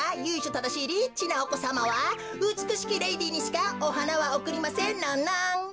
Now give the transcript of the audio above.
ただしいリッチなおこさまはうつくしきレディーにしかおはなはおくりませんノンノン。